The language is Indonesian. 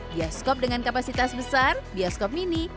bioskop dengan kapasitas besar bioskop mini